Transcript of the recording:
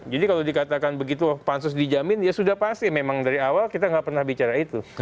jadi kalau dikatakan begitu pansus dijamin ya sudah pasti memang dari awal kita tidak pernah bicara itu